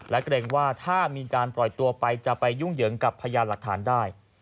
และเกรงว่าถ้ามีการปล่อยตัวไปจะไปยุ่งเหยิงกับพยานหลักฐานได้